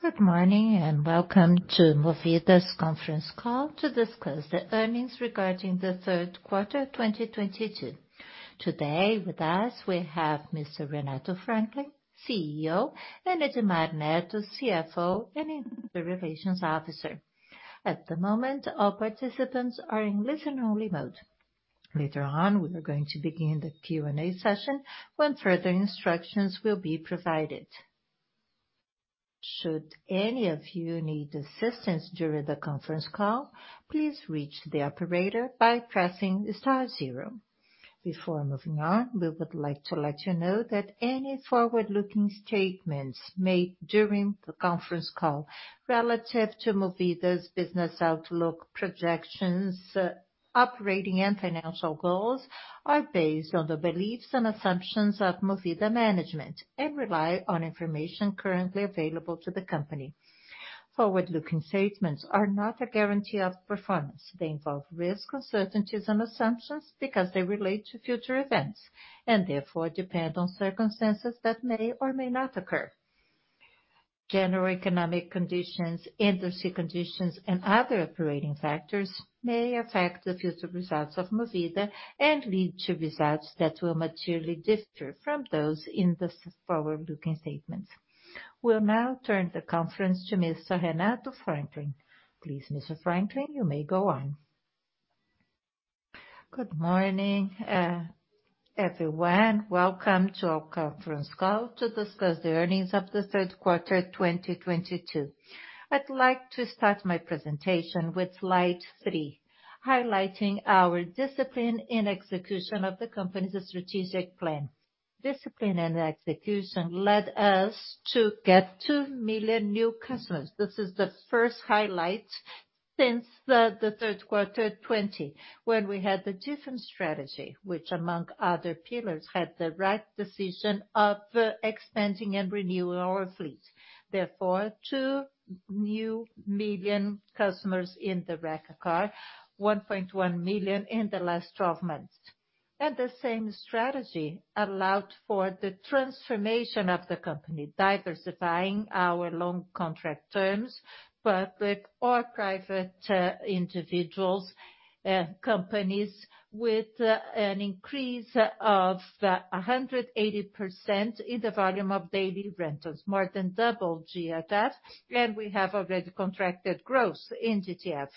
Good morning, and welcome to Movida's conference call to discuss the earnings regarding the third quarter of 2022. Today with us we have Mr. Renato Franklin, CEO, and Edmar Neto, CFO and Investor Relations Officer. At the moment, all participants are in listen only mode. Later on, we are going to begin the Q&A session when further instructions will be provided. Should any of you need assistance during the conference call, please reach the operator by pressing star zero. Before moving on, we would like to let you know that any forward-looking statements made during the conference call relative to Movida's business outlook, projections, operating and financial goals are based on the beliefs and assumptions of Movida management and rely on information currently available to the company. Forward-looking statements are not a guarantee of performance. They involve risks, uncertainties, and assumptions because they relate to future events and therefore depend on circumstances that may or may not occur. General economic conditions, industry conditions, and other operating factors may affect the future results of Movida and lead to results that will materially differ from those in the safe-harbor forward-looking statements. We'll now turn the conference to Mr. Renato Franklin. Please, Mr. Franklin, you may go on. Good morning, everyone. Welcome to our conference call to discuss the earnings of the third quarter 2022. I'd like to start my presentation with slide 3, highlighting our discipline in execution of the company's strategic plan. Discipline and execution led us to get 2 million new customers. This is the first highlight since the third quarter 2020 when we had a different strategy, which among other pillars had the right decision of expanding and renewing our fleet. Therefore, two million new customers in the Rent-A-Car, 1.1 million in the last twelve months. The same strategy allowed for the transformation of the company, diversifying our long-term contracts, public or private, individuals, companies with an increase of 180% in the volume of daily rentals, more than double GTF, and we have already contracted growth in GTF.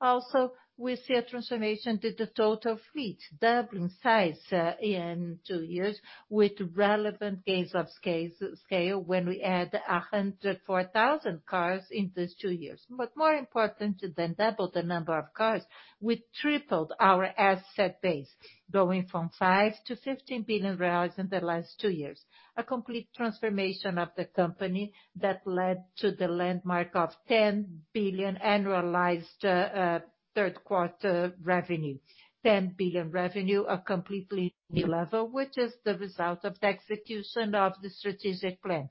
Also, we see a transformation of the total fleet, doubling size in two years with relevant gains of scale when we add 104,000 cars in these two years. More important than to double the number of cars, we tripled our asset base, going from 5 billion to 15 billion reais in the last two years. A complete transformation of the company that led to the landmark of 10 billion annualized third quarter revenue. 10 billion revenue, a completely new level, which is the result of the execution of the strategic plan.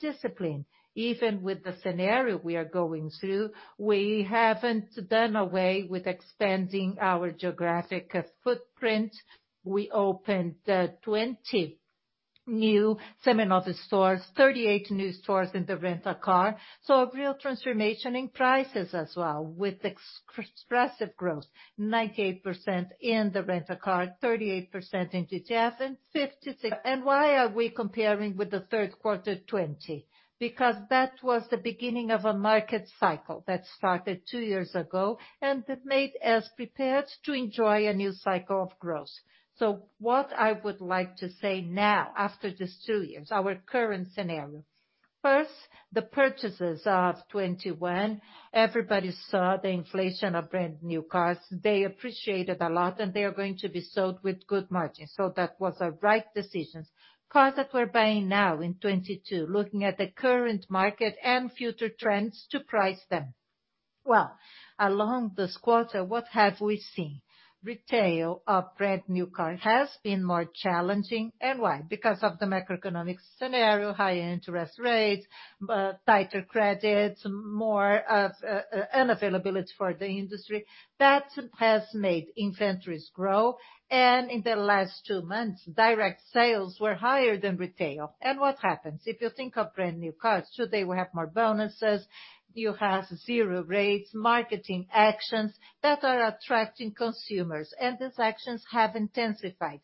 Discipline. Even with the scenario we are going through, we haven't done away with expanding our geographic footprint. We opened 20 new Seminovos stores, 38 new stores in the Rent-A-Car. A real transformation in prices as well with expressive growth, 98% in the Rent-A-Car, 38% in GTF, and 56%. Why are we comparing with the third quarter 2020? Because that was the beginning of a market cycle that started two years ago, and it made us prepared to enjoy a new cycle of growth. What I would like to say now after these two years, our current scenario. First, the purchases of 2021. Everybody saw the inflation of brand-new cars. They appreciated a lot, and they are going to be sold with good margins. That was a right decision. Cars that we're buying now in 2022, looking at the current market and future trends to price them. Well, along this quarter, what have we seen? Retail of brand-new cars has been more challenging. Why? Because of the macroeconomic scenario, high interest rates, tighter credits, more of unavailability for the industry. That has made inventories grow. In the last 2 months, direct sales were higher than retail. What happens? If you think of brand-new cars today, we have more bonuses, you have zero rates, marketing actions that are attracting consumers, and these actions have intensified.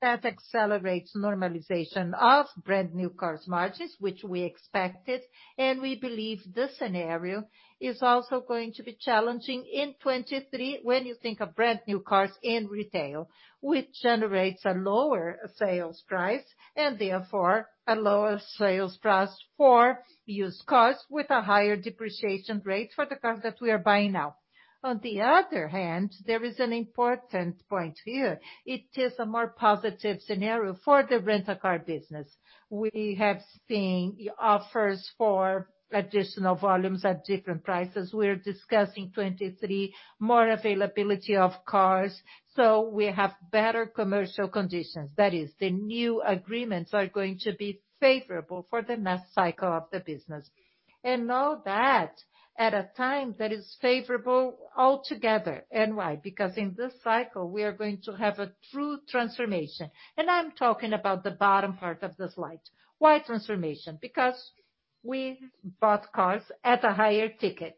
That accelerates normalization of brand-new cars margins, which we expected, and we believe this scenario is also going to be challenging in 2023 when you think of brand-new cars in retail, which generates a lower sales price and therefore a lower sales price for used cars with a higher depreciation rate for the cars that we are buying now. On the other hand, there is an important point here. It is a more positive scenario for the Rent-A-Car business. We have seen offers for additional volumes at different prices. We're discussing 2023, more availability of cars, so we have better commercial conditions. That is, the new agreements are going to be favorable for the next cycle of the business. All that at a time that is favorable altogether. Why? Because in this cycle, we are going to have a true transformation. I'm talking about the bottom part of the slide. Why transformation? Because we bought cars at a higher ticket.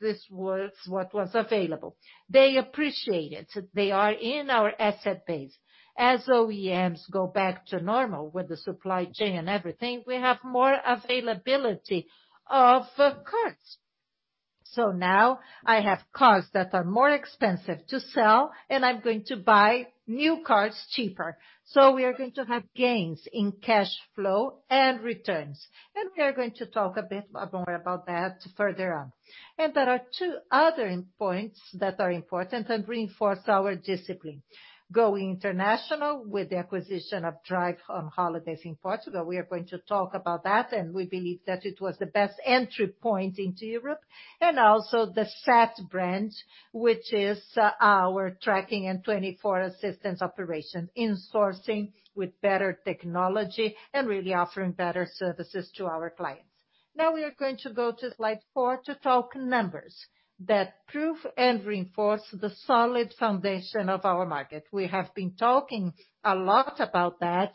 This was what was available. They appreciate it. They are in our asset base. As OEMs go back to normal with the supply chain and everything, we have more availability of cars. So now I have cars that are more expensive to sell and I'm going to buy new cars cheaper. So we are going to have gains in cash flow and returns, and we are going to talk a bit more about that further on. There are two other points that are important and reinforce our discipline. Going international with the acquisition of Drive on Holidays in Portugal. We are going to talk about that, and we believe that it was the best entry point into Europe. Also the SAT brand, which is our tracking and 24-hour assistance operation, insurance with better technology and really offering better services to our clients. Now we are going to go to slide 4 to talk numbers that prove and reinforce the solid foundation of our market. We have been talking a lot about that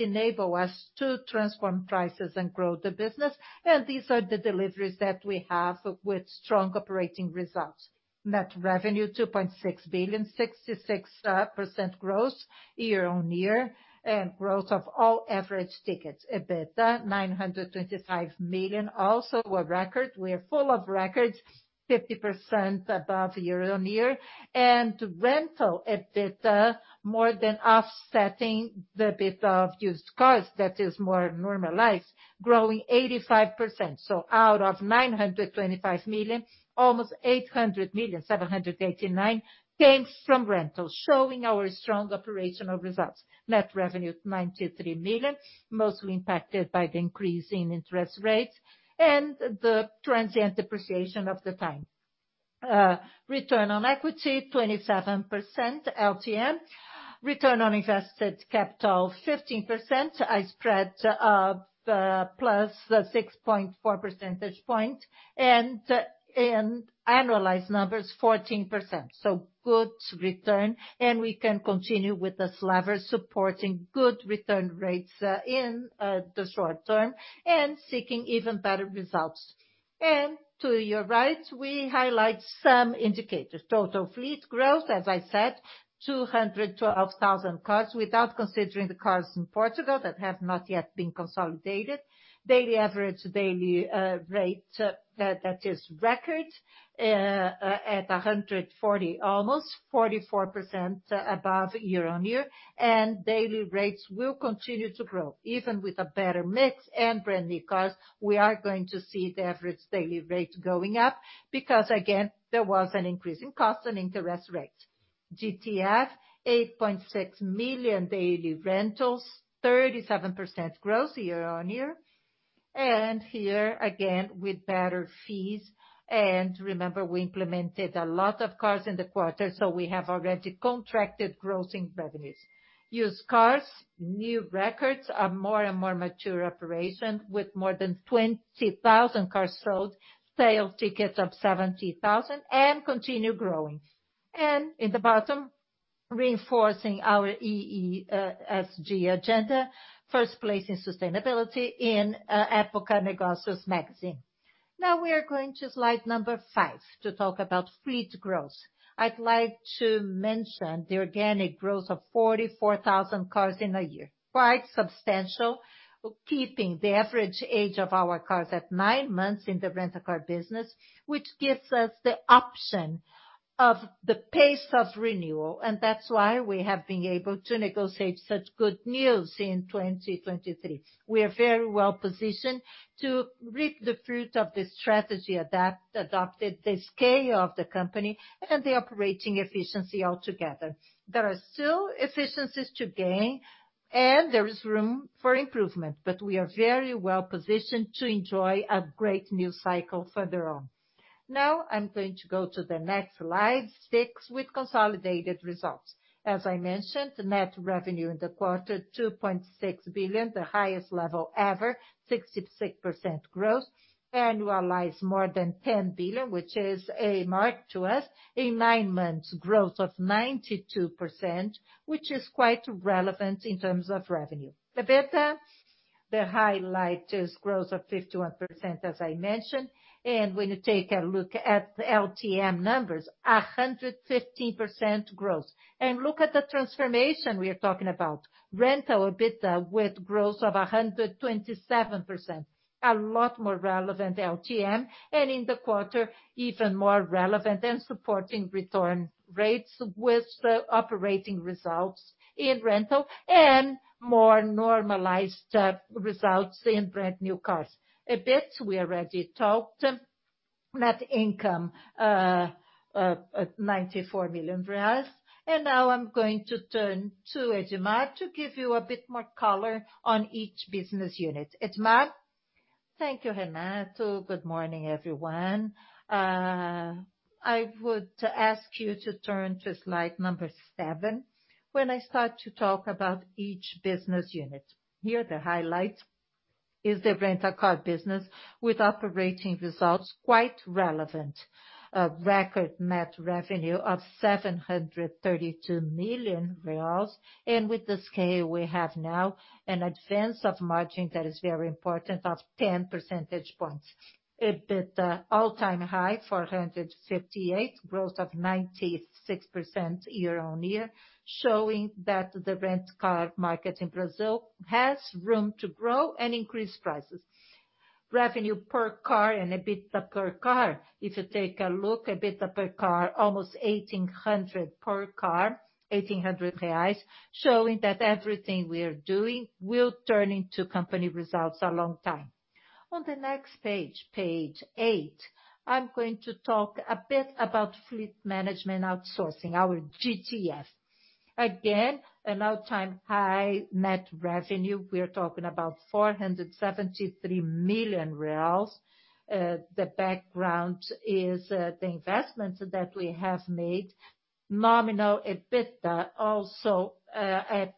enable us to transform prices and grow the business and these are the deliveries that we have with strong operating results. Net revenue 2.6 billion, 66% growth year-on-year and growth of all average tickets. EBITDA 925 million, also a record. We are full of records 50% above year-on-year. Rental EBITDA more than offsetting the hit of used cars that is more normalized, growing 85%. Out of 925 million, almost 800 million, 789 million came from rental, showing our strong operational results. Net revenue 93 million, mostly impacted by the increase in interest rates and the transient depreciation of the fleet. Return on equity 27% LTM. Return on invested capital 15%. A spread of plus 6.4 percentage points and annualized numbers 14%. Good return and we can continue with this lever supporting good return rates in the short term and seeking even better results. To your right, we highlight some indicators. Total fleet growth, as I said, 212,000 cars without considering the cars in Portugal that have not yet been consolidated. Daily average rate that is a record at almost 44% above year-on-year. Daily rates will continue to grow even with a better mix and brand new cars. We are going to see the average daily rate going up because again there was an increase in cost and interest rate. GTF 8.6 million daily rentals, 37% growth year-on-year. Here again with better fees and remember we implemented a lot of cars in the quarter, so we have already contracted growth in revenues. Seminovos, new records are more and more a mature operation with more than 20,000 cars sold, sale tickets of 70,000 and continue growing. In the bottom, reinforcing our ESG agenda, first place in sustainability in Época Negócios magazine. Now we are going to slide 5 to talk about fleet growth. I'd like to mention the organic growth of 44,000 cars in a year, quite substantial, keeping the average age of our cars at 9 months in the Rent-A-Car business, which gives us the option of the pace of renewal and that's why we have been able to negotiate such good terms in 2023. We are very well positioned to reap the fruit of the strategy adopted, the scale of the company and the operating efficiency altogether. There are still efficiencies to gain and there is room for improvement, but we are very well positioned to enjoy a great new cycle further on. Now I'm going to go to the next slide 6, with consolidated results. As I mentioned, net revenue in the quarter 2.6 billion, the highest level ever, 66% growth. Annualized more than 10 billion which is a mark to us. A nine months growth of 92%, which is quite relevant in terms of revenue. EBITDA, the highlight is growth of 51%, as I mentioned. When you take a look at LTM numbers, 115% growth. Look at the transformation we are talking about. Rental EBITDA with growth of 127%, a lot more relevant LTM. In the quarter, even more relevant and supporting return rates with the operating results in rental and more normalized results in brand new cars. EBIT, we already talked. Net income, 94 million reais. Now I'm going to turn to Edmar to give you a bit more color on each business unit. Edmar? Thank you, Renato. Good morning, everyone. I would ask you to turn to slide number 7 when I start to talk about each business unit. Here, the highlights is the Rent-A-Car business with operating results quite relevant. A record net revenue of 732 million reais and with the scale we have now, an advance of margin that is very important of 10 percentage points. EBITDA all-time high 458 million, growth of 96% year-on-year, showing that the Rent-A-Car market in Brazil has room to grow and increase prices. Revenue per car and EBITDA per car, if you take a look, EBITDA per car, almost 1,800 per car, 1,800 reais, showing that everything we are doing will turn into company results a long time. On the next page 8, I am going to talk a bit about fleet management outsourcing, our GTF. Again, an all-time high net revenue. We are talking about 473 million reais. The background is, the investments that we have made. Nominal EBITDA also at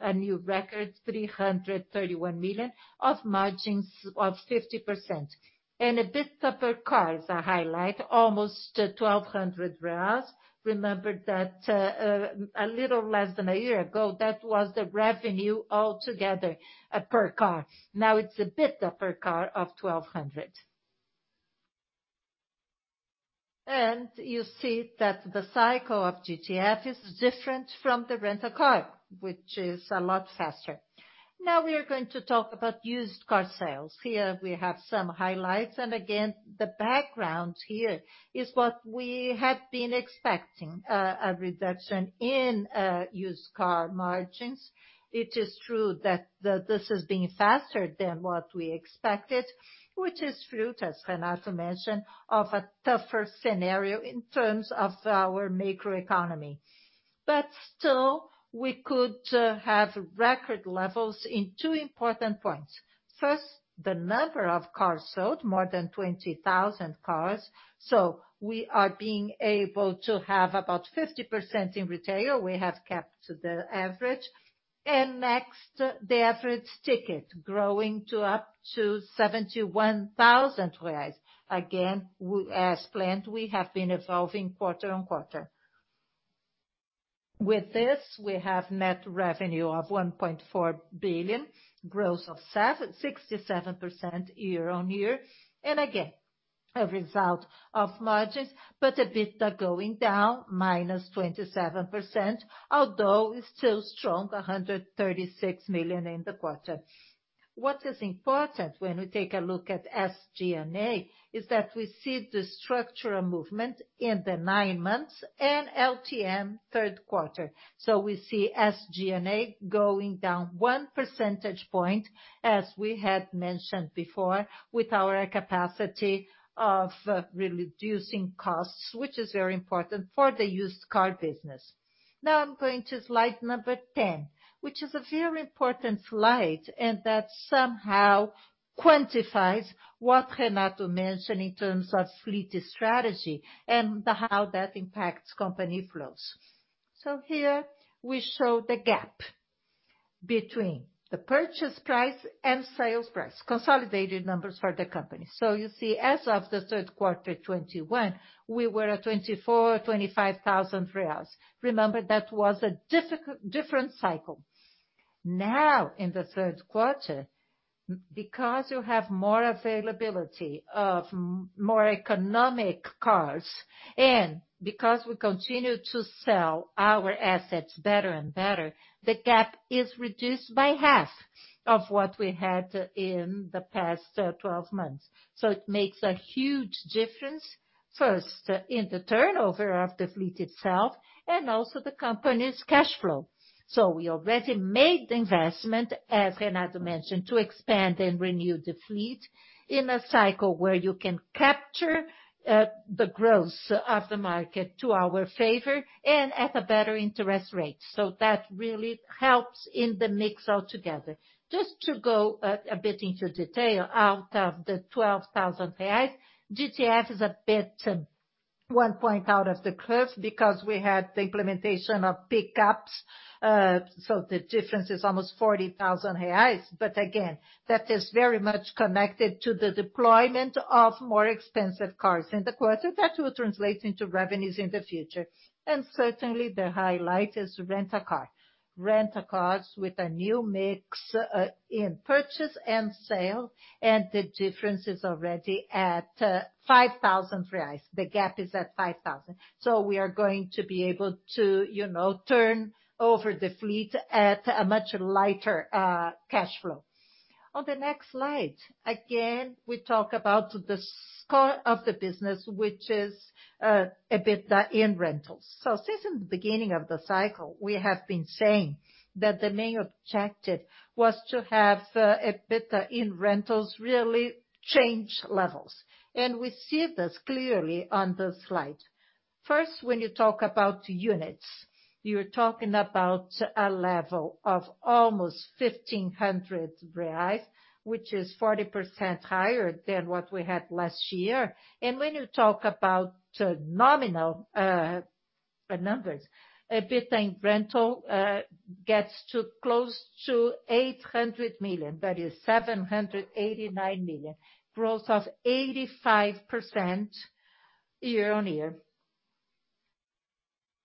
a new record 331 million of margins of 50%. EBITDA per car is a highlight, almost 1,200 reais. Remember that, a little less than a year ago, that was the revenue altogether per car. Now it's EBITDA per car of BRL 1,200. You see that the cycle of GTF is different from Rent-A-Car, which is a lot faster. Now we are going to talk about used car sales. Here we have some highlights. Again, the background here is what we had been expecting, a reduction in, used car margins. It is true that this is being faster than what we expected, which is fruit, as Renato mentioned, of a tougher scenario in terms of our macroeconomy. Still, we could have record levels in two important points. First, the number of cars sold, more than 20,000 cars. We are being able to have about 50% in retail. We have kept to the average. Next, the average ticket growing to up to 71,000 reais. Again, as planned, we have been evolving quarter-on-quarter. With this, we have net revenue of 1.4 billion, growth of 67% year-on-year. Again, a result of margins, but EBITDA going down -27%, although it's still strong, 136 million in the quarter. What is important when we take a look at SG&A is that we see the structural movement in the nine months and LTM third quarter. We see SG&A going down one percentage point, as we had mentioned before, with our capacity of reducing costs, which is very important for the used car business. Now I'm going to slide number 10, which is a very important slide, and that somehow quantifies what Renato mentioned in terms of fleet strategy and how that impacts company flows. Here we show the gap between the purchase price and sales price, consolidated numbers for the company. You see, as of the third quarter 2021, we were at 24,000-25,000 reais. Remember, that was a different cycle. Now in the third quarter, because you have more availability of more economic cars, and because we continue to sell our assets better and better, the gap is reduced by half of what we had in the past 12 months. It makes a huge difference, first in the turnover of the fleet itself and also the company's cash flow. We already made the investment, as Renato mentioned, to expand and renew the fleet in a cycle where you can capture the growth of the market to our favor and at a better interest rate. That really helps in the mix altogether. Just to go a bit into detail, out of the 12,000 reais, GTF is a bit one point out of the curve because we had the implementation of pickups, so the difference is almost 40,000 reais. That is very much connected to the deployment of more expensive cars in the quarter. That will translate into revenues in the future. Certainly, the highlight is Rent-A-Car. Rent-A-Cars with a new mix in purchase and sale, and the difference is already at 5,000 reais. The gap is at 5,000. We are going to be able to, you know, turn over the fleet at a much lighter cash flow. On the next slide, again, we talk about the core of the business, which is EBITDA in rentals. Since in the beginning of the cycle, we have been saying that the main objective was to have EBITDA in rentals really change levels. We see this clearly on the slide. First, when you talk about units, you're talking about a level of almost 1,500 reais, which is 40% higher than what we had last year. When you talk about nominal, the rental gets to close to 800 million, that is 789 million. Growth of 85%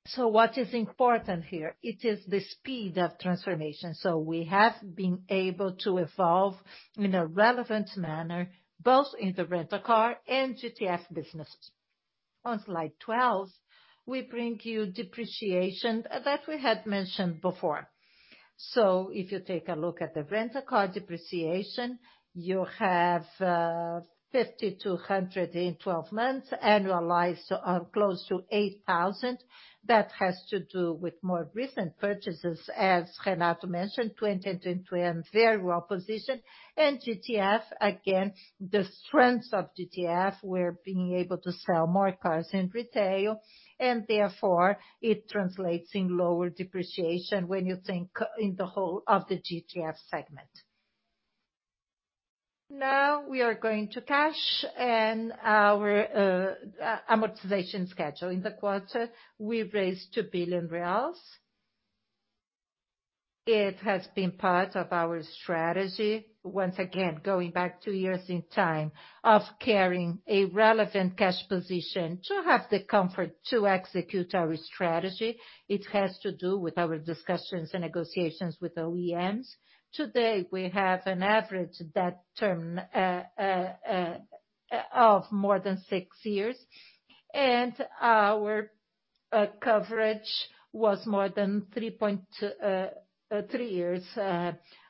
year-on-year. What is important here? It is the speed of transformation. We have been able to evolve in a relevant manner, both in the rent a car and GTF business. On slide 12, we bring you depreciation that we had mentioned before. If you take a look at the rent a car depreciation, you have 5,200 in 12 months, annualized, close to 8,000. That has to do with more recent purchases, as Renato mentioned, 2020 and 2021, very well positioned. GTF, again, the strengths of GTF, we're being able to sell more cars in retail and therefore it translates in lower depreciation when you think in the whole of the GTF segment. Now we are going to cash and our amortization schedule. In the quarter, we raised 2 billion reais. It has been part of our strategy, once again, going back 2 years in time, of carrying a relevant cash position to have the comfort to execute our strategy. It has to do with our discussions and negotiations with OEMs. Today, we have an average debt term of more than 6 years, and our coverage was more than 3.3 years.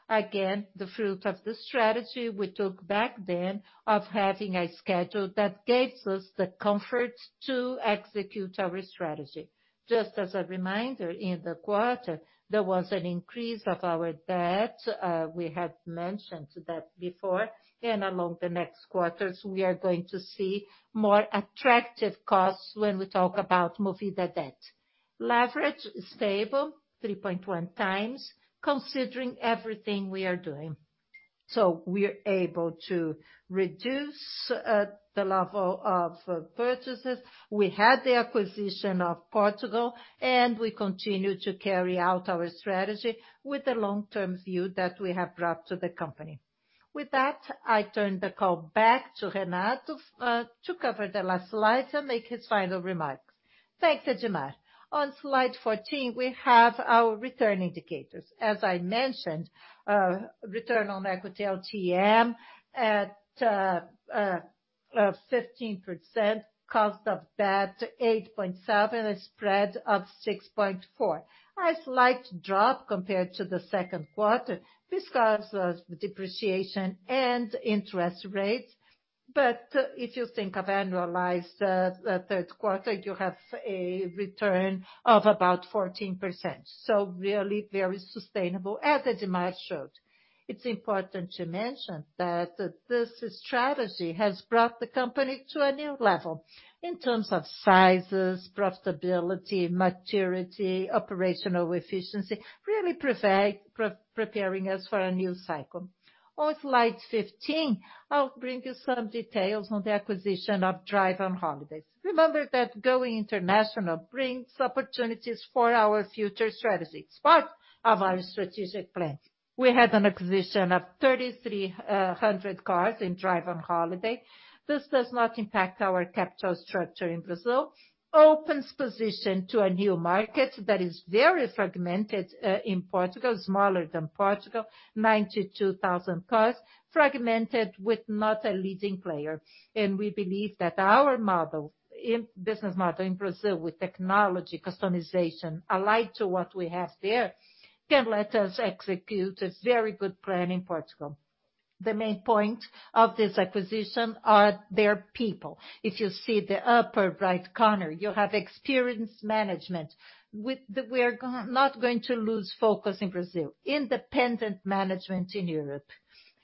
Again, the fruit of the strategy we took back then of having a schedule that gives us the comfort to execute our strategy. Just as a reminder, in the quarter, there was an increase of our debt. We had mentioned that before. Along the next quarters, we are going to see more attractive costs when we talk about Movida debt. Leverage is stable, 3.1 times, considering everything we are doing. We are able to reduce the level of purchases. We had the acquisition of Portugal, and we continue to carry out our strategy with the long-term view that we have brought to the company. With that, I turn the call back to Renato to cover the last slide to make his final remarks. Thanks, Edmar. On slide 14, we have our return indicators. As I mentioned, return on equity LTM at 15%, cost of debt 8.7, a spread of 6.4. A slight drop compared to the second quarter. This causes the depreciation and interest rates. If you think of annualized third quarter, you have a return of about 14%. Really very sustainable, as Edmar showed. It's important to mention that this strategy has brought the company to a new level in terms of sizes, profitability, maturity, operational efficiency, really preparing us for a new cycle. On slide 15, I'll bring you some details on the acquisition of Drive on Holidays. Remember that going international brings opportunities for our future strategy. It's part of our strategic plan. We had an acquisition of 3,300 cars in Drive on Holidays. This does not impact our capital structure in Brazil. Opens position to a new market that is very fragmented in Portugal, smaller than Portugal, 92,000 cars, fragmented with not a leading player. We believe that our business model in Brazil with technology, customization, aligned to what we have there, can let us execute a very good plan in Portugal. The main point of this acquisition are their people. If you see the upper right corner, you have experienced management. We are not going to lose focus in Brazil. Independent management in Europe.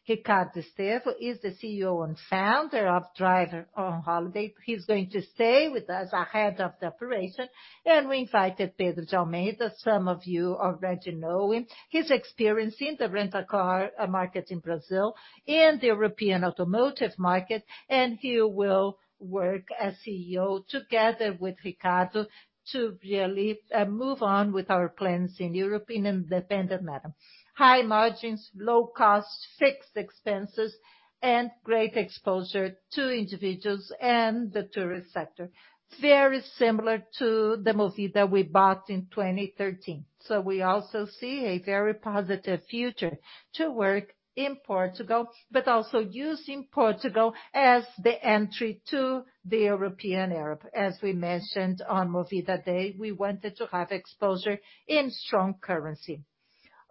Ricardo Esteves is the CEO and founder of Drive on Holidays. He's going to stay with us as a head of the operation. We invited Pedro d'Almeida, some of you already know him, his experience in the Rent-A-Car market in Brazil and the European automotive market, and he will work as CEO together with Ricardo to really move on with our plans in Europe in independent manner. High margins, low costs, fixed expenses, and great exposure to individuals and the tourist sector. It's very similar to the Movida we bought in 2013. We also see a very positive future to work in Portugal, but also using Portugal as the entry to the European era. As we mentioned on Movida Day, we wanted to have exposure in strong currency.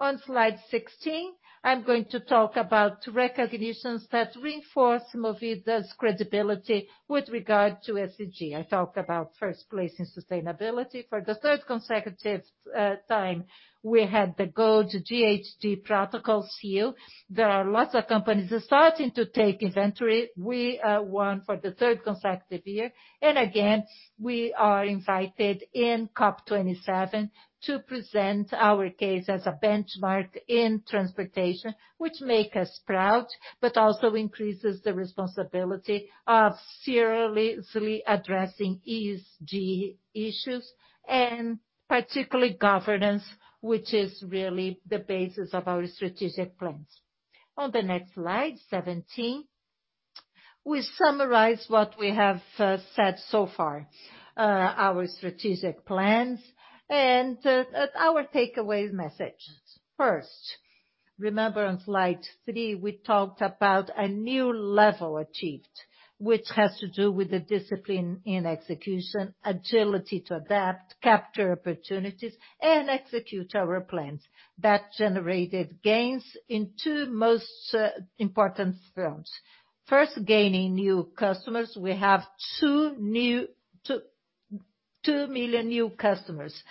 On slide 16, I'm going to talk about recognitions that reinforce Movida's credibility with regard to ESG. I talked about first place in sustainability. For the third consecutive time, we had the Gold GHG Protocol Seal. There are lots of companies starting to take inventory. We won for the third consecutive year. Again, we are invited in COP 27 to present our case as a benchmark in transportation, which make us proud, but also increases the responsibility of seriously addressing ESG issues and particularly governance, which is really the basis of our strategic plans. On the next slide 17, we summarize what we have said so far, our strategic plans and our takeaway message. First, remember on slide 3, we talked about a new level achieved, which has to do with the discipline in execution, agility to adapt, capture opportunities, and execute our plans. That generated gains in two most important fronts. First, gaining new customers. We have 2 million new customers,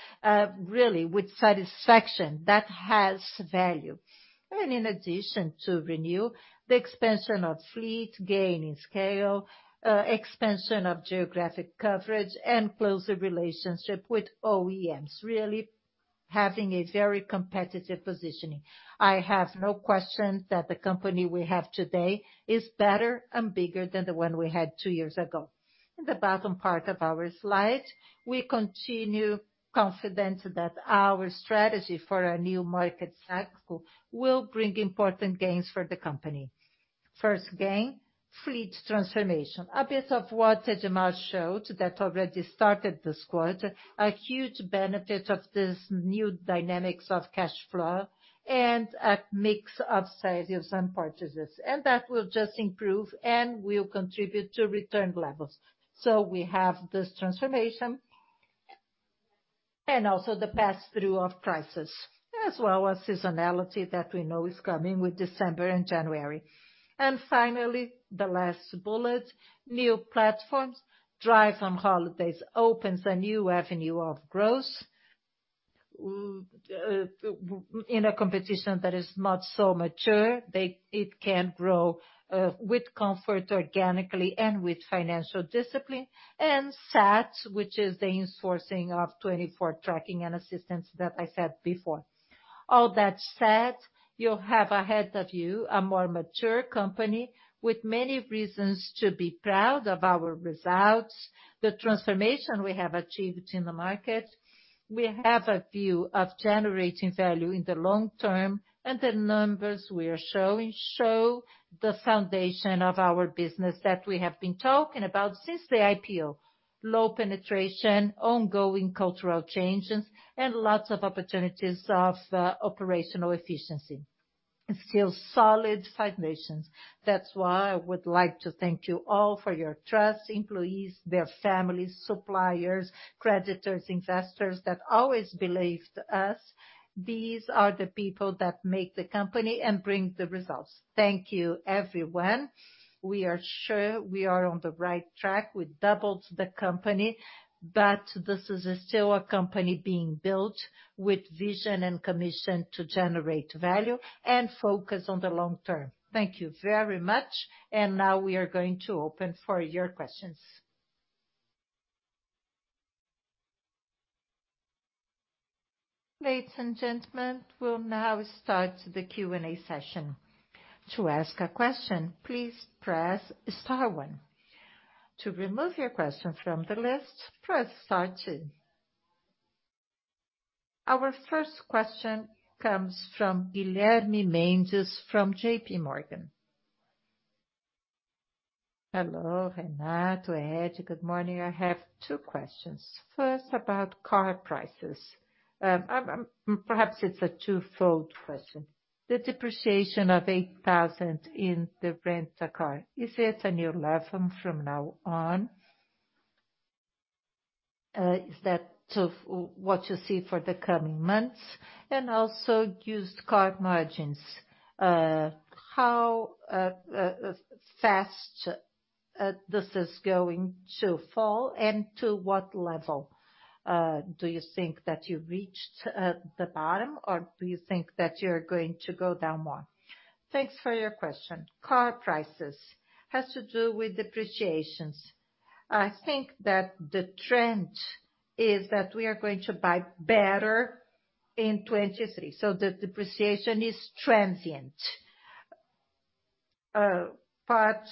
really with satisfaction that has value. In addition to renew the expansion of fleet, gaining scale, expansion of geographic coverage and closer relationship with OEMs, really having a very competitive positioning. I have no question that the company we have today is better and bigger than the one we had two years ago. In the bottom part of our slide, we continue confident that our strategy for a new market cycle will bring important gains for the company. First gain, fleet transformation. A bit of what Jamal showed that already started this quarter, a huge benefit of this new dynamics of cash flow and a mix of sizes and purchases. That will just improve and will contribute to return levels. We have this transformation and also the pass-through of prices, as well as seasonality that we know is coming with December and January. Finally, the last bullet, new platforms. Drive on Holidays opens a new avenue of growth in a competition that is not so mature. It can grow with comfort organically and with financial discipline. SAT, which is the insourcing of 24-hour tracking and assistance that I said before. All that said, you have ahead of you a more mature company with many reasons to be proud of our results, the transformation we have achieved in the market. We have a view of generating value in the long term, and the numbers we are showing show the foundation of our business that we have been talking about since the IPO. Low penetration, ongoing cultural changes, and lots of opportunities of operational efficiency and still solid foundations. That's why I would like to thank you all for your trust, employees, their families, suppliers, creditors, investors that always believed in us. These are the people that make the company and bring the results. Thank you, everyone. We are sure we are on the right track. We doubled the company, but this is still a company being built with vision and commitment to generate value and focus on the long term. Thank you very much. Now we are going to open for your questions. Ladies and gentlemen, we'll now start the Q&A session. To ask a question, please press star one. To remove your question from the list, press star two. Our first question comes from Guilherme Mendes from J.P. Morgan. Hello, Renato, Ed. Good morning. I have two questions. First, about car prices. Perhaps it's a twofold question. The depreciation of 8,000 in the Rent-A-Car, is it a new level from now on? Is that what you see for the coming months? Also used car margins. How fast this is going to fall and to what level? Do you think that you reached the bottom, or do you think that you're going to go down more? Thanks for your question. Car prices has to do with depreciations. I think that the trend is that we are going to buy better in 2023, so the depreciation is transient. Part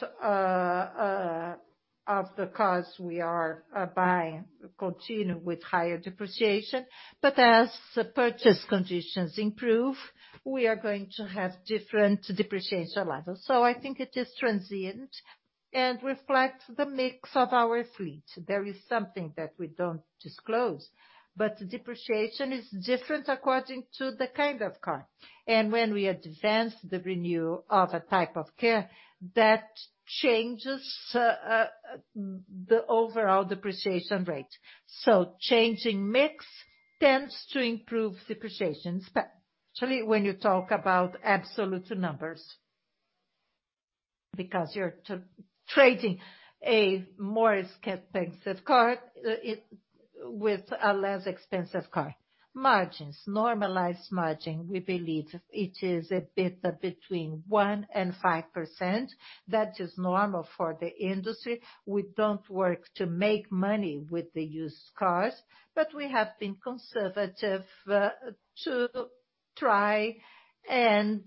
of the cars we are buying continue with higher depreciation, but as the purchase conditions improve, we are going to have different depreciation levels. I think it is transient and reflects the mix of our fleet. There is something that we don't disclose, but depreciation is different according to the kind of car. When we advance the renewal of a type of car, that changes the overall depreciation rate. Changing mix tends to improve depreciation, especially when you talk about absolute numbers because you're trading a more expensive car with a less expensive car. Margins, normalized margin, we believe it is a bit between 1%-5%. That is normal for the industry. We don't work to make money with the used cars, but we have been conservative to try and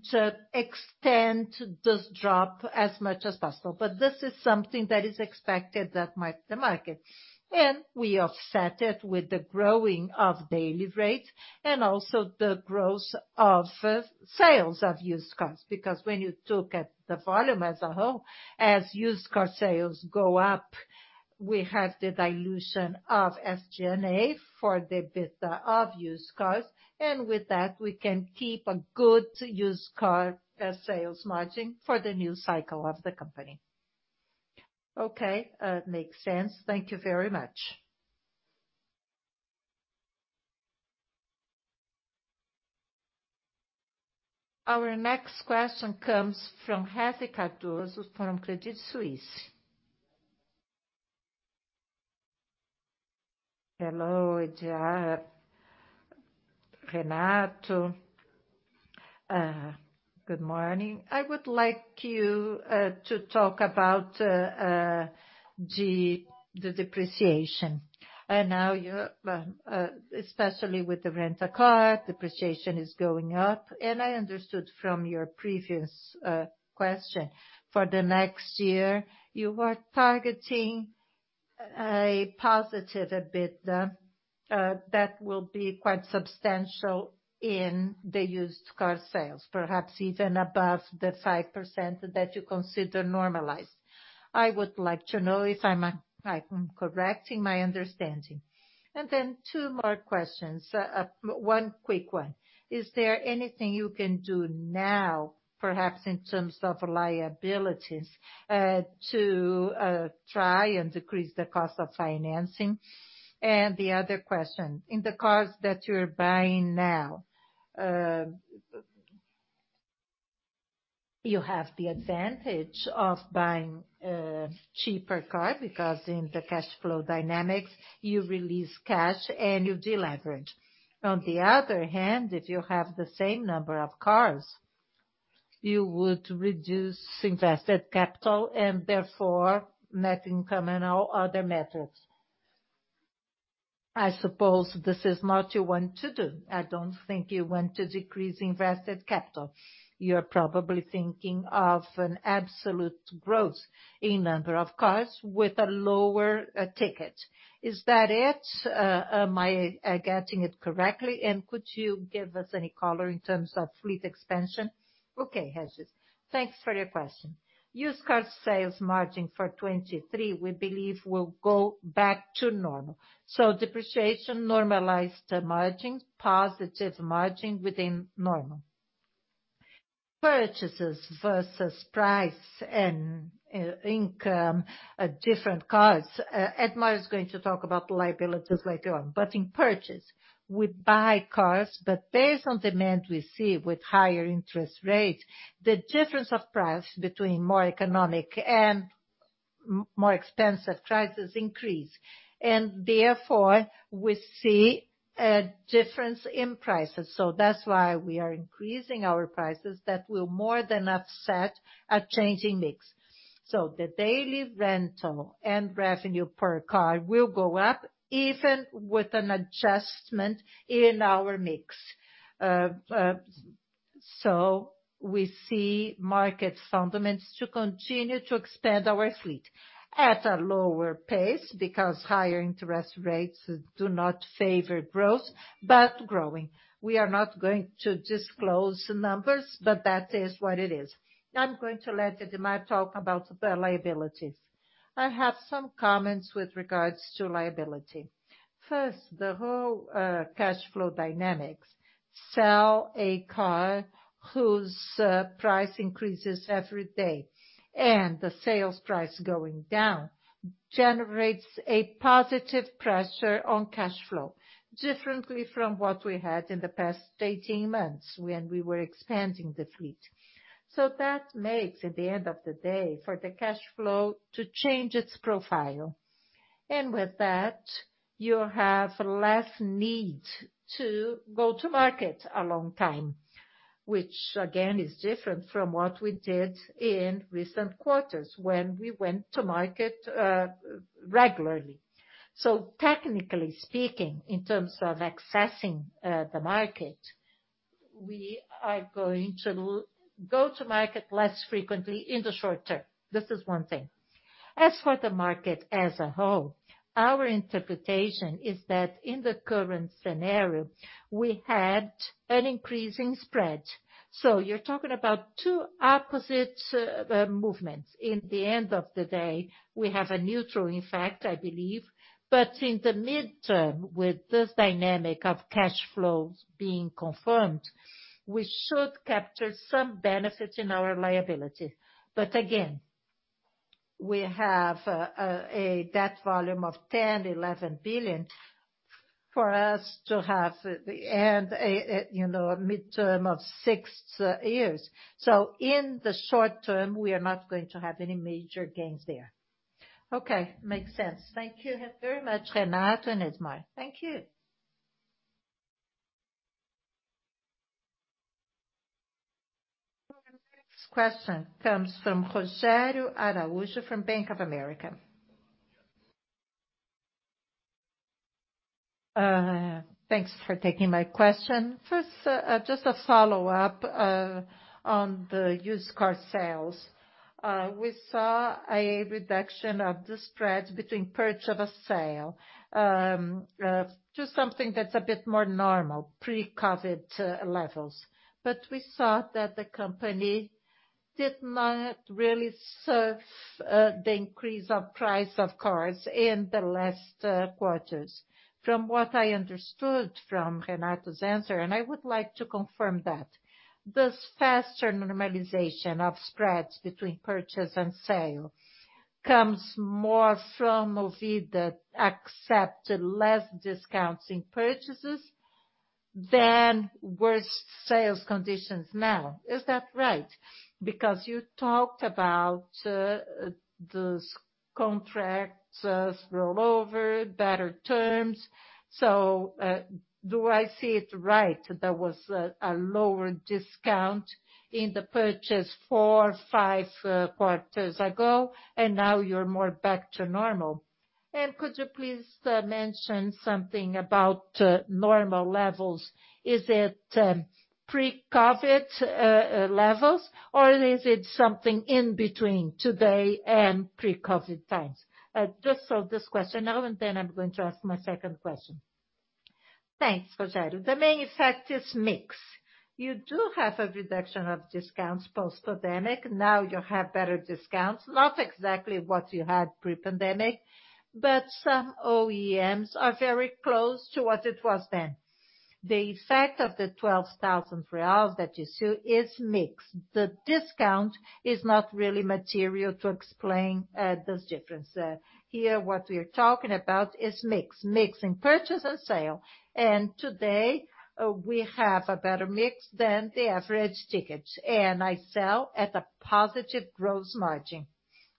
extend this drop as much as possible. This is something that is expected that makes the market, and we offset it with the growing of daily rate and also the growth of sales of used cars. Because when you look at the volume as a whole, as used car sales go up, we have the dilution of SG&A for the bit of used cars, and with that, we can keep a good used car sales margin for the new cycle of the company. Okay. Makes sense. Thank you very much. Our next question comes from Regis Cardoso from Credit Suisse. Hello, Edmar, Renato, good morning. I would like you to talk about the depreciation. Now you're especially with the Rent-A-Car, depreciation is going up. I understood from your previous question, for the next year you are targeting a positive EBITDA that will be quite substantial in the used car sales, perhaps even above the 5% that you consider normalized. I would like to know if I'm correct in my understanding. Then two more questions. One quick one. Is there anything you can do now, perhaps in terms of liabilities, to try and decrease the cost of financing? The other question, in the cars that you're buying now, you have the advantage of buying a cheaper car because in the cash flow dynamics you release cash and you deleverage. On the other hand, if you have the same number of cars, you would reduce invested capital and therefore net income and all other methods. I suppose this is not you want to do. I don't think you want to decrease invested capital. You're probably thinking of an absolute growth in number of cars with a lower ticket. Is that it? Am I getting it correctly? Could you give us any color in terms of fleet expansion? Okay, Jesse, thanks for your question. Used car sales margin for 2023, we believe, will go back to normal. So depreciation normalized margin, positive margin within normal. Purchases versus price and income at different cars. Edmar is going to talk about liabilities later on. In purchase, we buy cars, but based on demand we see with higher interest rates, the difference of price between more economic and more expensive prices increase and therefore we see a difference in prices. That's why we are increasing our prices. That will more than offset a changing mix. The daily rental and revenue per car will go up even with an adjustment in our mix. We see market fundamentals to continue to expand our fleet at a lower pace because higher interest rates do not favor growth, but growing. We are not going to disclose the numbers, but that is what it is. I'm going to let Edmar talk about the liabilities. I have some comments with regards to liability. First, the whole cash flow dynamics. Sell a car whose price increases every day and the sales price going down generates a positive pressure on cash flow differently from what we had in the past 18 months when we were expanding the fleet. That makes, at the end of the day, for the cash flow to change its profile. With that, you have less need to go to market a long time, which again is different from what we did in recent quarters when we went to market regularly. Technically speaking, in terms of accessing the market, we are going to go to market less frequently in the short term. This is one thing. As for the market as a whole, our interpretation is that in the current scenario we had an increase in spread. You're talking about two opposite movements. In the end of the day, we have a neutral effect, I believe. But in the midterm, with this dynamic of cash flows being confirmed, we should capture some benefits in our liability. But again, we have a debt volume of 10 billion-11 billion for us to have and you know, a midterm of six years. So in the short term, we are not going to have any major gains there. Okay. Makes sense. Thank you very much, Renato and Edmar. Thank you. Our next question comes from Rogério Araújo from Bank of America. Thanks for taking my question. First, just a follow-up on the used car sales. We saw a reduction of the spread between purchase and sale to something that's a bit more normal, pre-COVID levels. We saw that the company did not really serve the increase of price of cars in the last quarters. From what I understood from Renato's answer, and I would like to confirm that, this faster normalization of spreads between purchase and sale comes more from Movida accepting less discounts in purchases than worse sales conditions now. Is that right? Because you talked about those contracts as rollover, better terms. Do I see it right? There was a lower discount in the purchase 4, 5 quarters ago, and now you're more back to normal. Could you please mention something about normal levels? Is it pre-COVID levels, or is it something in between today and pre-COVID times? Just so this question now, and then I'm going to ask my second question. Thanks, Rogério Araújo. The main effect is mix. You do have a reduction of discounts post-pandemic. Now you have better discounts, not exactly what you had pre-pandemic, but some OEMs are very close to what it was then. The effect of the 12,000 reais that you see is mix. The discount is not really material to explain this difference there. Here, what we're talking about is mix in purchase and sale. Today, we have a better mix than the average tickets, and I sell at a positive gross margin.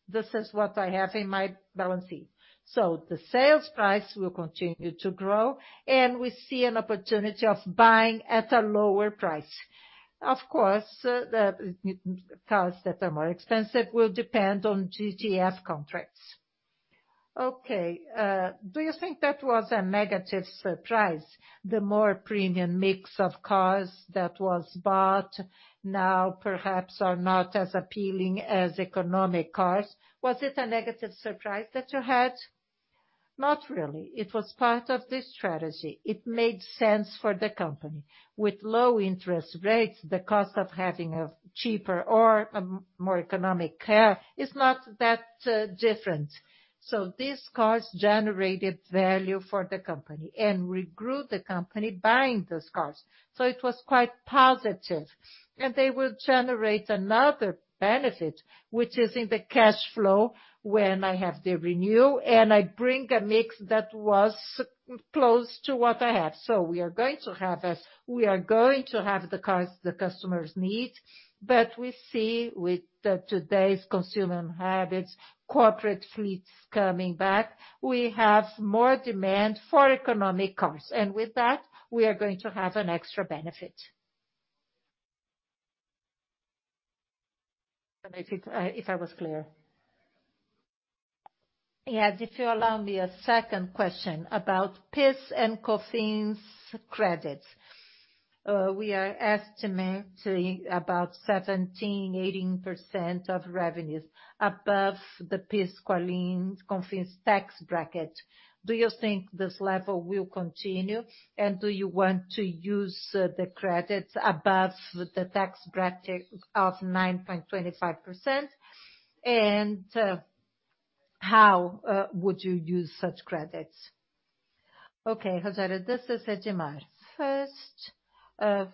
This is what I have in my balance sheet. The sales price will continue to grow, and we see an opportunity of buying at a lower price. Of course, the cars that are more expensive will depend on GTF contracts. Okay. Do you think that was a negative surprise, the more premium mix of cars that was bought now perhaps are not as appealing as economic cars? Was it a negative surprise that you had? Not really. It was part of the strategy. It made sense for the company. With low interest rates, the cost of having a cheaper or a more economic car is not that different. These cars generated value for the company and regrew the company buying those cars. It was quite positive. They will generate another benefit, which is in the cash flow when I have the renew and I bring a mix that was close to what I have. We are going to have the cars the customers need, but we see with today's consumer habits, corporate fleets coming back, we have more demand for economic cars. With that, we are going to have an extra benefit. I don't know if I was clear. Yes. If you allow me a second question about PIS and COFINS credits. We are estimating about 17-18% of revenues above the PIS-COFINS tax bracket. Do you think this level will continue, and do you want to use the credits above the tax bracket of 9.25%? How would you use such credits? Okay, Rosario. This is Edmar. First, in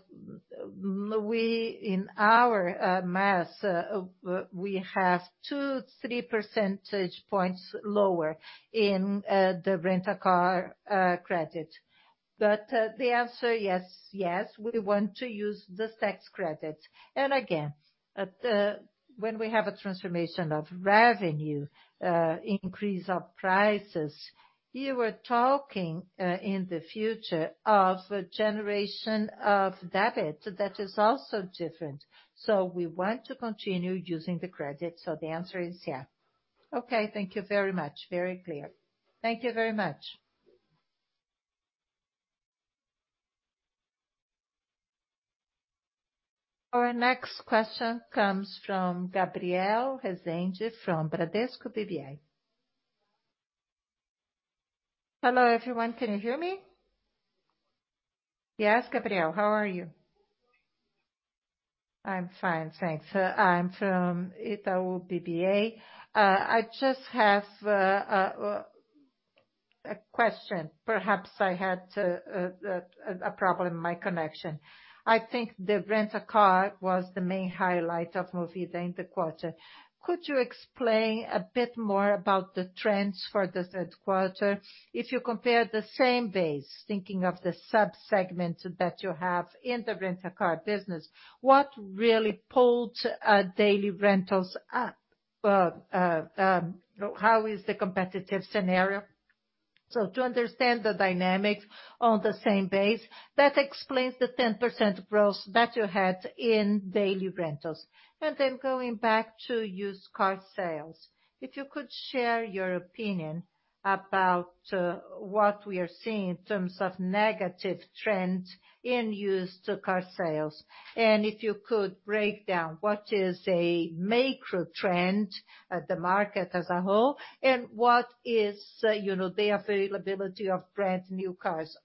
our math, we have 2-3 percentage points lower in the Rent-A-Car credit. The answer, yes. Yes, we want to use this tax credit. Again, at, when we have a transformation of revenue, increase of prices, you were talking, in the future of a generation of debt that is also different. We want to continue using the credit, so the answer is yes. Okay. Thank you very much. Very clear. Thank you very much. Our next question comes from Gabrielle Rezende from Bradesco BBI. Hello, everyone. Can you hear me? Yes, Gabrielle. How are you? I'm fine, thanks. I'm from Itaú BBA. I just have a question. Perhaps I had a problem in my connection. I think the rent a car was the main highlight of Movida in the quarter. Could you explain a bit more about the trends for the third quarter? If you compare the same base, thinking of the sub-segments that you have in the rent a car business, what really pulled daily rentals up? How is the competitive scenario? To understand the dynamics on the same base, that explains the 10% growth that you had in daily rentals. Then going back to used car sales, if you could share your opinion about what we are seeing in terms of negative trends in used car sales, and if you could break down what is a macro trend at the market as a whole, and what is, you know, the availability of brand new cars,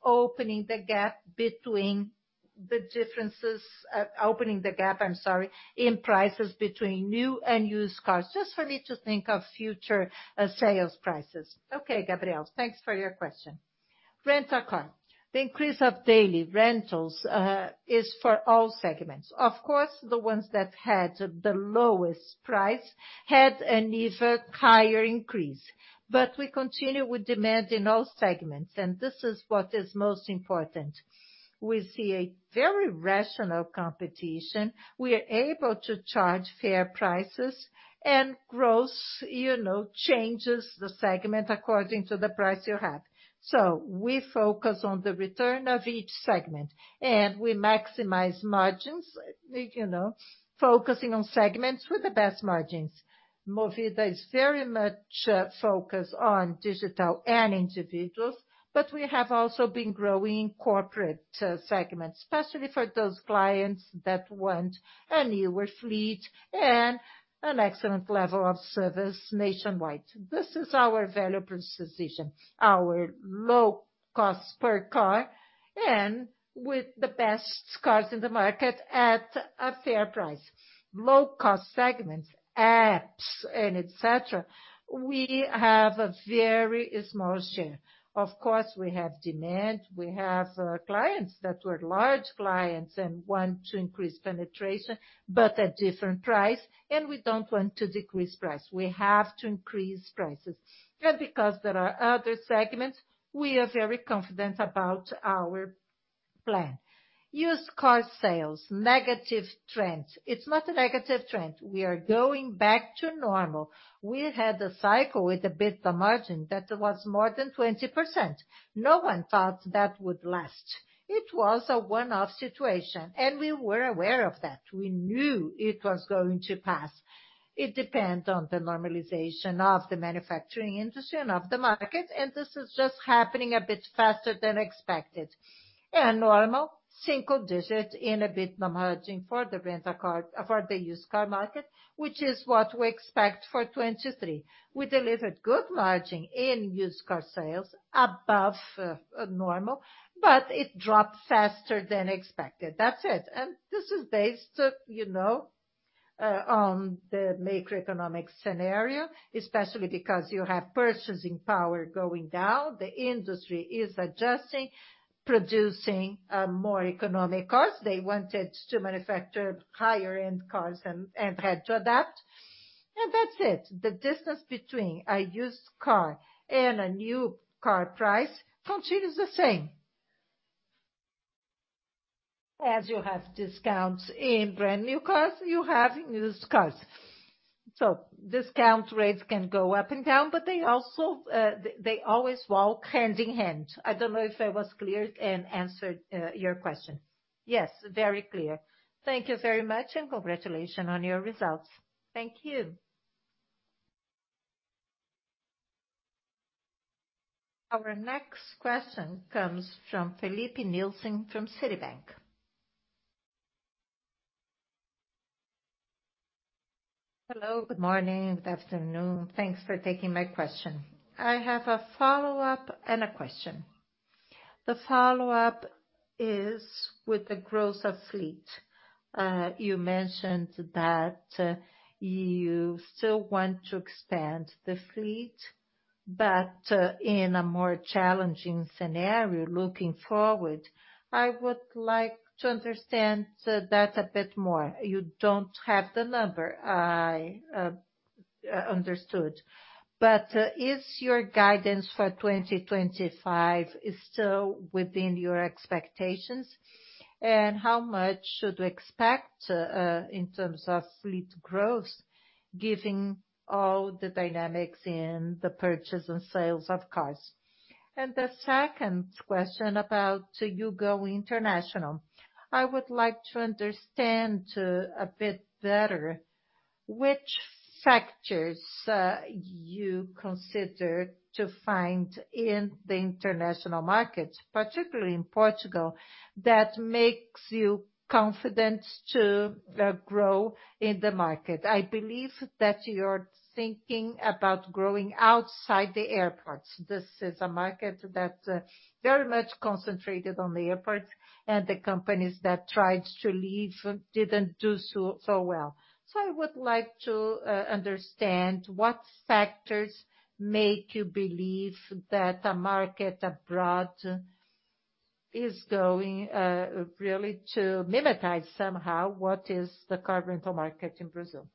opening the gap, I'm sorry, in prices between new and used cars, just for me to think of future sales prices. Okay, Gabriel. Thanks for your question. Rent a car. The increase of daily rentals is for all segments. Of course, the ones that had the lowest price had an even higher increase. We continue with demand in all segments, and this is what is most important. We see a very rational competition. We are able to charge fair prices and growth, you know, changes the segment according to the price you have. We focus on the return of each segment, and we maximize margins, you know, focusing on segments with the best margins. Movida is very much focused on digital and individuals, but we have also been growing in corporate segments, especially for those clients that want a newer fleet and an excellent level of service nationwide. This is our value proposition, our low cost per car and with the best cars in the market at a fair price. Low cost segments, apps, and et cetera, we have a very small share. Of course, we have demand. We have clients that were large clients and want to increase penetration but at different price, and we don't want to decrease price. We have to increase prices. Because there are other segments, we are very confident about our plan. Used car sales, negative trends. It's not a negative trend. We are going back to normal. We had a cycle with EBITDA margin that was more than 20%. No one thought that would last. It was a one-off situation, and we were aware of that. We knew it was going to pass. It depends on the normalization of the manufacturing industry and of the market, and this is just happening a bit faster than expected. A normal single digit in EBITDA margin for the used car market, which is what we expect for 2023. We delivered good margin in used car sales above normal, but it dropped faster than expected. That's it. This is based, you know, on the macroeconomic scenario, especially because you have purchasing power going down. The industry is adjusting, producing more economic cars. They wanted to manufacture higher end cars and had to adapt. That's it. The distance between a used car and a new car price continues the same. As you have discounts in brand new cars, you have in used cars. Discount rates can go up and down, but they also, they always walk hand in hand. I don't know if I was clear and answered your question. Yes, very clear. Thank you very much, and congratulations on your results. Thank you. Our next question comes from Felipe Nielsen from Citibank. Hello, good morning, good afternoon. Thanks for taking my question. I have a follow-up and a question. The follow-up is with the growth of fleet. You mentioned that you still want to expand the fleet, but in a more challenging scenario looking forward. I would like to understand that a bit more. You don't have the number, I understood. But is your guidance for 2025 is still within your expectations? And how much should we expect in terms of fleet growth, giving all the dynamics in the purchase and sales of cars? And the second question about you going international. I would like to understand a bit better which factors you consider to find in the international market, particularly in Portugal, that makes you confident to grow in the market. I believe that you're thinking about growing outside the airports. This is a market that's very much concentrated on the airports, and the companies that tried to leave didn't do so well. I would like to understand what factors make you believe that a market abroad is going really to mimic somehow what is the car rental market in Brazil.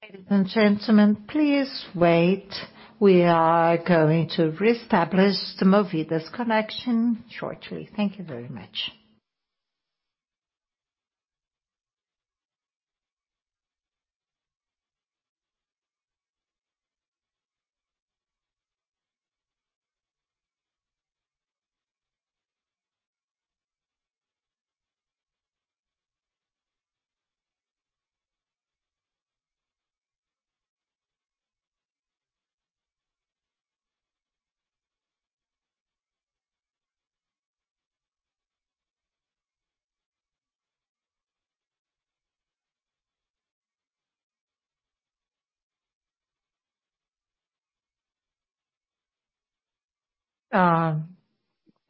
Ladies and gentlemen, please wait. We are going to reestablish the Movida's connection shortly. Thank you very much.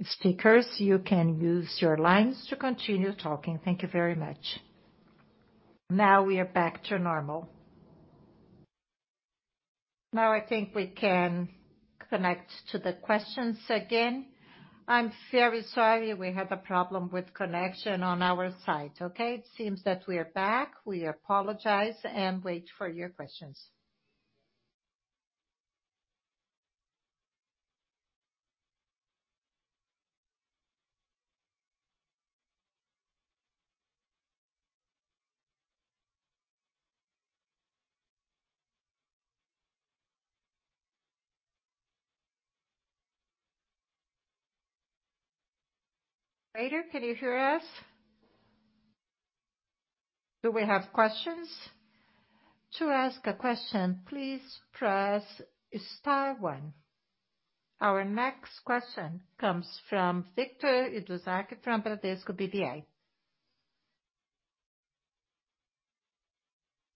Speakers, you can use your lines to continue talking. Thank you very much. Now we are back to normal. Now I think we can connect to the questions again. I'm very sorry we had a problem with connection on our side, okay? It seems that we are back. We apologize. Wait for your questions. Operator, can you hear us? Do we have questions? To ask a question, please press star one. Our next question comes from Victor.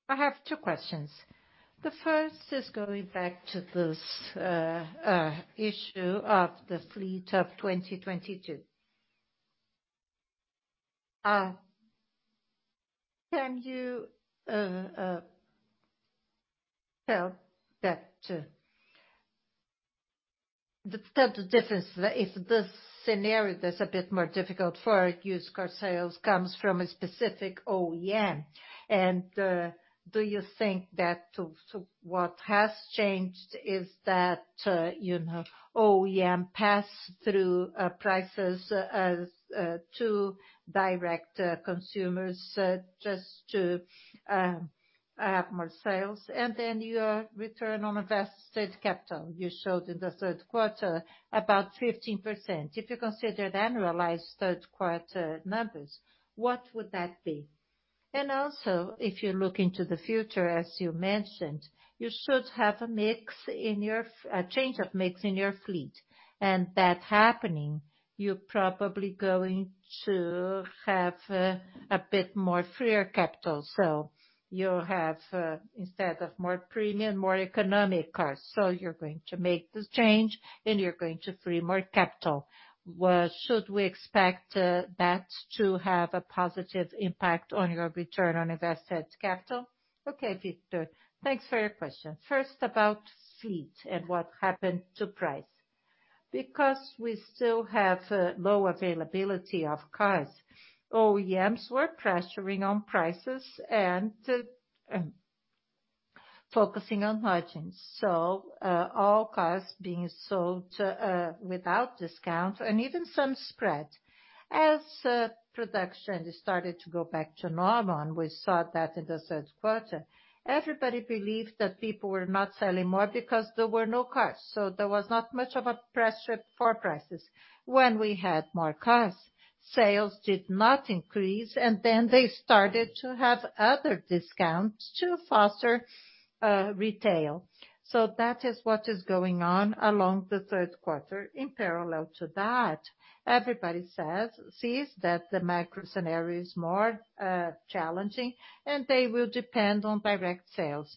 I have two questions. The first is going back to this issue of the fleet of 2022. Can you tell us the total difference if this scenario that's a bit more difficult for used car sales comes from a specific OEM. Do you think that too what has changed is that OEM pass through prices to direct consumers just to have more sales? Then your return on invested capital you showed in the third quarter about 15%. If you consider annualized third quarter numbers, what would that be? If you look into the future, as you mentioned, you should have a change of mix in your fleet. That happening, you're probably going to have a bit more freer capital. You'll have, instead of more premium, more economic cars. You're going to make this change, and you're going to free more capital. Should we expect that to have a positive impact on your return on invested capital? Okay, Victor. Thanks for your question. First, about fleet and what happened to price. Because we still have low availability of cars, OEMs were pressuring on prices and focusing on margins. All cars being sold without discount and even some spread. Production started to go back to normal, and we saw that in the third quarter. Everybody believed that people were not selling more because there were no cars. There was not much of a pressure for prices. When we had more cars, sales did not increase, and then they started to have other discounts to foster retail. That is what is going on along the third quarter. In parallel to that, everybody sees that the macro scenario is more challenging, and they will depend on direct sales.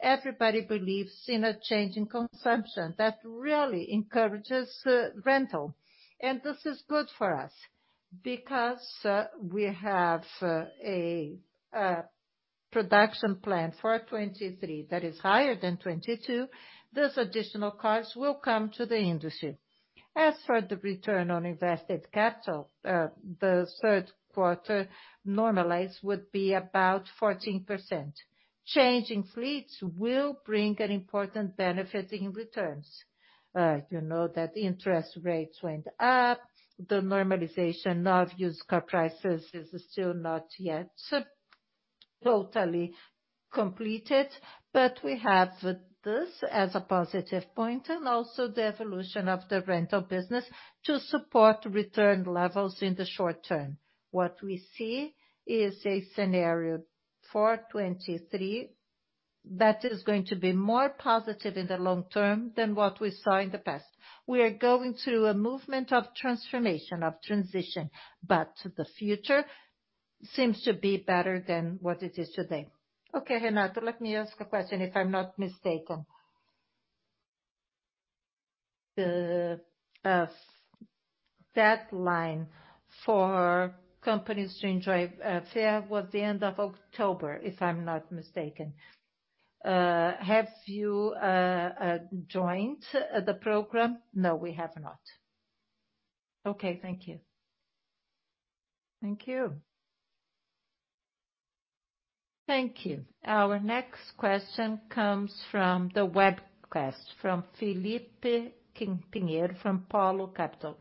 Everybody believes in a change in consumption that really encourages rental. This is good for us because we have a production plan for 2023 that is higher than 2022. These additional cars will come to the industry. As for the return on invested capital, the third quarter normalized would be about 14%. Change in fleets will bring an important benefit in returns. You know that interest rates went up. The normalization of used car prices is still not yet totally completed. We have this as a positive point and also the evolution of the rental business to support return levels in the short term. What we see is a scenario for 2023 that is going to be more positive in the long term than what we saw in the past. We are going through a movement of transformation, of transition, but the future seems to be better than what it is today. Okay, Renato, let me ask a question, if I'm not mistaken. The deadline for companies to enjoy FAIR was the end of October, if I'm not mistaken. Have you joined the program? No, we have not. Okay. Thank you. Our next question comes from the webcast, from Felipe Pinheiro from Polo Capital.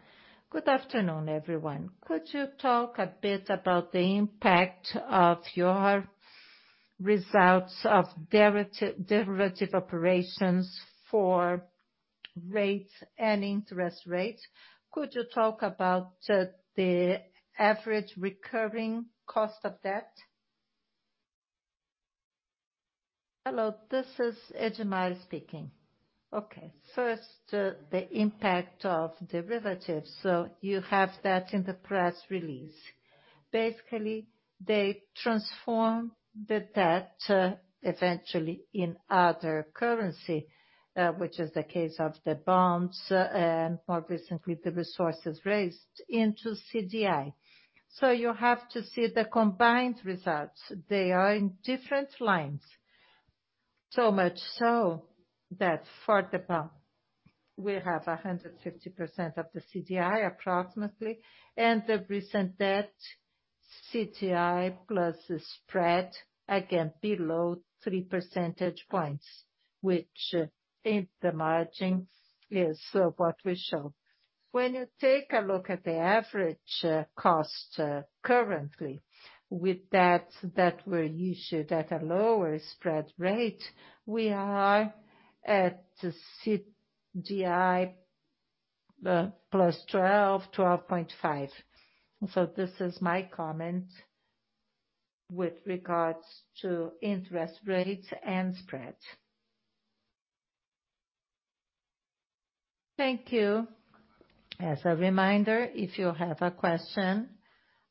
Good afternoon, everyone. Could you talk a bit about the impact of your results of derivative operations for rates and interest rates? Could you talk about the average recurring cost of debt? Hello, this is Edmar speaking. Okay. First, the impact of derivatives. You have that in the press release. Basically, they transform the debt eventually in other currency, which is the case of the bonds, and more recently, the resources raised into CDI. You have to see the combined results. They are in different lines. So much so that for the bond, we have 150% of the CDI approximately, and the recent debt, CDI plus the spread, again below 3 percentage points, which in the margin is what we show. When you take a look at the average cost currently with that were issued at a lower spread rate, we are at the CDI plus 12.5. This is my comment with regards to interest rates and spread. Thank you. As a reminder, if you have a question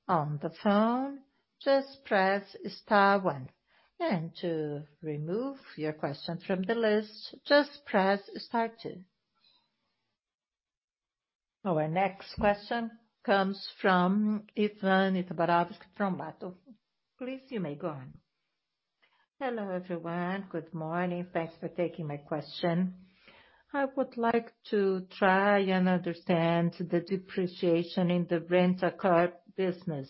on the phone, just press star one. To remove your question from the list, just press star two. Our next question comes from Ivan Itabaranski from BTG Pactual. Please, you may go on. Hello, everyone. Good morning. Thanks for taking my question. I would like to try and understand the depreciation in the Rent-A-Car business.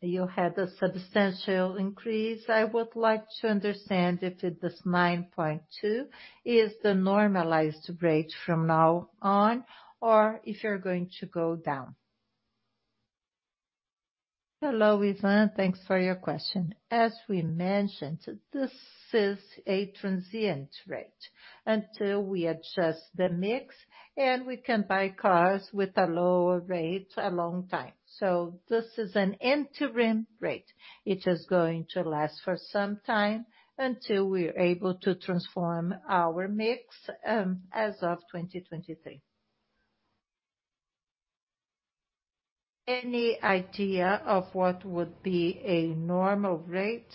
You had a substantial increase. I would like to understand if it is 9.2 is the normalized rate from now on, or if you're going to go down. Hello, Ivan. Thanks for your question. As we mentioned, this is a transient rate until we adjust the mix and we can buy cars with a lower rate a long time. This is an interim rate. It is going to last for some time until we are able to transform our mix, as of 2023. Any idea of what would be a normal rate?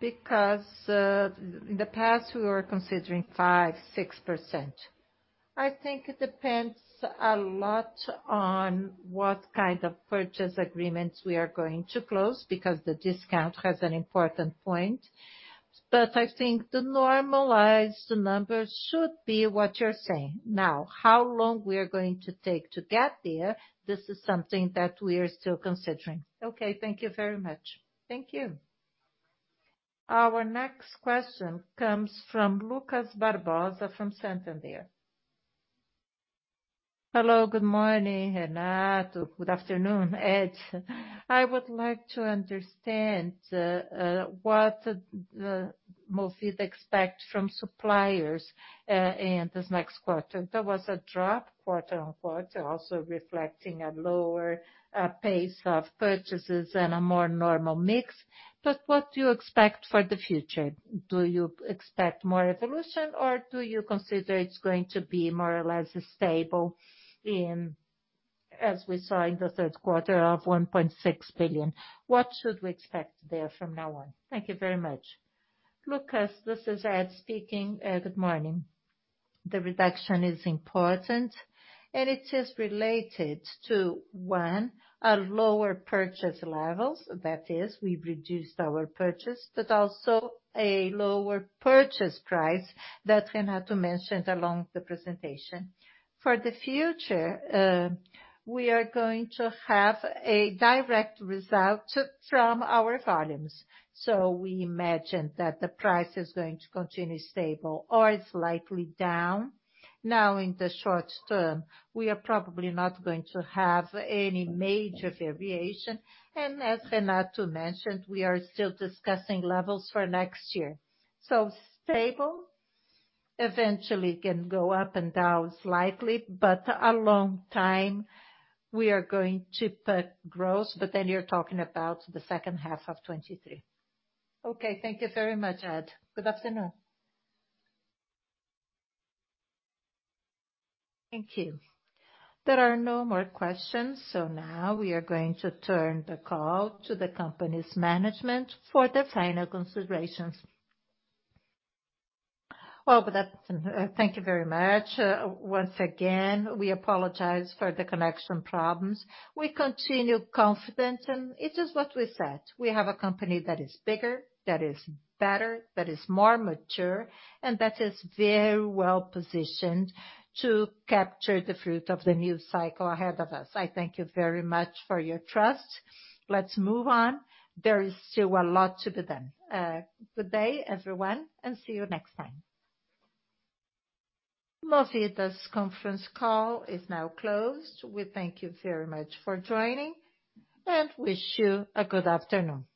Because in the past, we were considering 5%-6%. I think it depends a lot on what kind of purchase agreements we are going to close, because the discount has an important point. I think the normalized number should be what you're saying. Now, how long we are going to take to get there, this is something that we are still considering. Okay, thank you very much. Thank you. Our next question comes from Lucas Barbosa from Santander. Hello. Good morning, Renato. Good afternoon, Ed. I would like to understand what Movida expect from suppliers in this next quarter. There was a drop quarter-over-quarter, also reflecting a lower pace of purchases and a more normal mix. What do you expect for the future? Do you expect more evolution, or do you consider it's going to be more or less stable in, as we saw in the third quarter of 1.6 billion? What should we expect there from now on? Thank you very much. Lucas, this is Ed speaking. Good morning. The reduction is important, and it is related to one, a lower purchase levels. That is, we've reduced our purchase, but also a lower purchase price that Renato mentioned along the presentation. For the future, we are going to have a direct result from our volumes. We imagine that the price is going to continue stable or slightly down. Now in the short term, we are probably not going to have any major variation. As Renato mentioned, we are still discussing levels for next year. Stable eventually can go up and down slightly, but a long time we are going to put growth. Then you're talking about the second half of 2023. Okay, thank you very much, Ed. Good afternoon. Thank you. There are no more questions, so now we are going to turn the call to the company's management for the final considerations. Well, good afternoon. Thank you very much. Once again, we apologize for the connection problems. We continue confident, and it is what we said. We have a company that is bigger, that is better, that is more mature, and that is very well-positioned to capture the fruit of the new cycle ahead of us. I thank you very much for your trust. Let's move on. There is still a lot to be done. Good day, everyone, and see you next time. Movida's conference call is now closed. We thank you very much for joining and wish you a good afternoon.